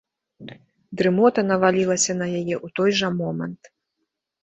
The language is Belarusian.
Дрымота навалілася на яе ў той жа момант.